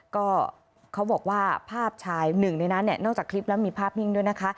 ก็เขาบอกว่าภาพชายหนึ่งในนั้นเนี่ยนอกจากคลิปแล้วมีภาพนิ่งด้วยนะคะ